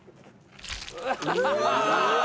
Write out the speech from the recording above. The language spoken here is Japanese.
うわ。